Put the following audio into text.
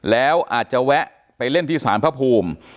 แล้วอาจจะแวะไปเล่นที่สารพระภูมิ